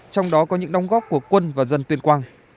trong đó có những đóng góp của quân và dân tuyên quang